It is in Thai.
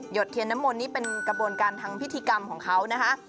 เทียนน้ำมนต์นี่เป็นกระบวนการทางพิธีกรรมของเขานะคะ